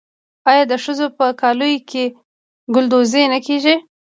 آیا د ښځو په کالیو کې ګلدوزي نه کیږي؟